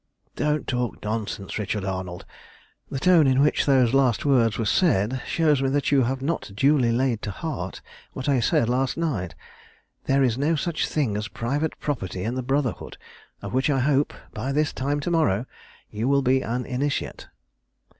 "Don't talk nonsense, Richard Arnold. The tone in which those last words were said shows me that you have not duly laid to heart what I said last night. There is no such thing as private property in the Brotherhood, of which I hope, by this time to morrow, you will be an initiate.